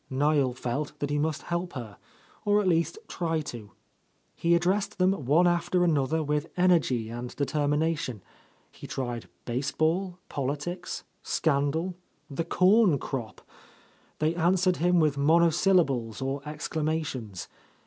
Niel felt that he must help her, or at least try to. He addressed them one after an other with energy and determination; he tried baseball, politics, scandal, the corn crop. They answered him with monosyllables or exclama tions.